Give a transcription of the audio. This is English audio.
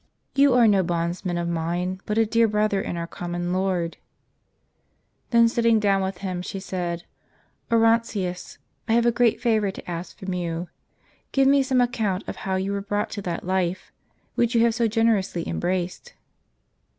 " You are no bondsman of mine, but a dear brother in our common Lord." Then sitting down with him, she said :" Orontius, I have a great favor to ask from you. Give me some account of how you were brought to that life, which you have so generously embraced."